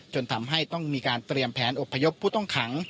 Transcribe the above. จนทำให้ต้องมีการเตรียมแผนอบพยพผู้ต้องขัง